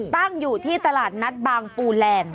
ตั้งอยู่ที่ตลาดนัดบางปูแลนด์